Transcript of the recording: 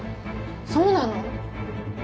そうなの？